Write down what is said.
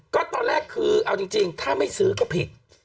ก็ตอนแรกคือเอาจริงถ้าไม่ซื้อก็ผิด